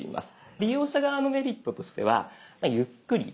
利用者側のメリットとしてはゆっくり選べるぞとか。